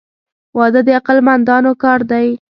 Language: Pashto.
• واده د عقل مندانو کار دی.